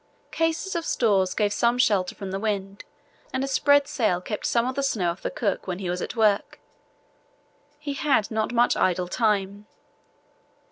Cases of stores gave some shelter from the wind and a spread sail kept some of the snow off the cook when he was at work. He had not much idle time.